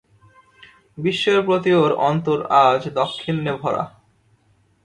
বিশ্বের প্রতি ওর অন্তর আজ দাক্ষিণ্যে ভরা।